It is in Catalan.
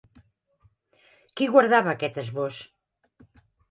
Qui guardava aquest esbós?